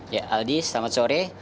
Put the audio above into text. ya aldi selamat sore